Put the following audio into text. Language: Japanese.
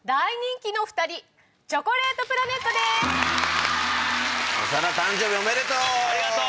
長田誕生日おめでとう！